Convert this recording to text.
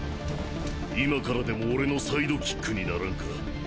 今からでも俺のサイドキックにならんか？